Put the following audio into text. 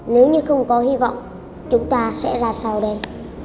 nếu như không có hy vọng chúng ta sẽ ra sau đây